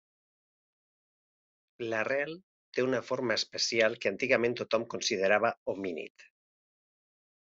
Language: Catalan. L'arrel té una forma especial que antigament tothom considerava homínid.